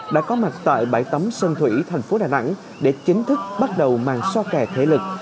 đã có mặt tại bãi tấm sơn thủy thành phố đà nẵng để chính thức bắt đầu mang so kè thể lực